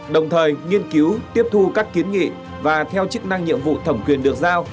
đồng thời nghiên cứu tiếp thu các kiến nghị và theo chức năng nhiệm vụ thẩm quyền được giao